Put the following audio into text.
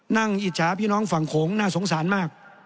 อิจฉาพี่น้องฝั่งโขงน่าสงสารมาก